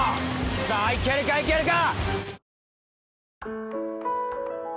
さぁいけるかいけるか？